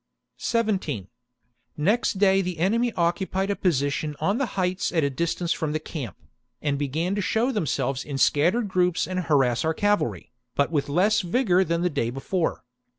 17. Next day the enemy occupied a position on the heights at a distance from the camp, and began to show themselves in scattered groups and harass our cavalry, but with less vigour than the day before.